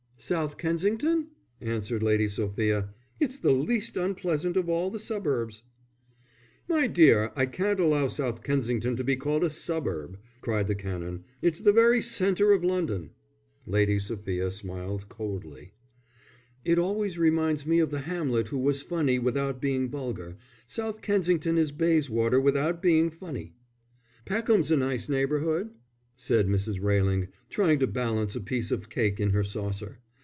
"South Kensington?" answered Lady Sophia. "It's the least unpleasant of all the suburbs." "My dear, I cannot allow South Kensington to be called a suburb," cried the Canon. "It's the very centre of London." Lady Sophia smiled coldly. "It always reminds me of the Hamlet who was funny without being vulgar: South Kensington is Bayswater without being funny." "Peckham's a nice neighbourhood," said Mrs. Railing, trying to balance a piece of cake in her saucer.